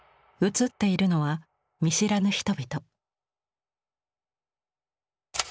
写っているのは見知らぬ人々。